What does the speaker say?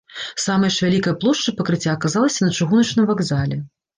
Самая ж вялікая плошча пакрыцця аказалася на чыгуначным вакзале.